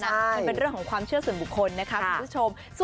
มันเป็นเรื่องของความเชื่อส่วนบุคคลนะคะคุณผู้ชม